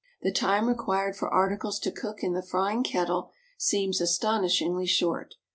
The time required for articles to cook in the frying kettle seems astonishingly short.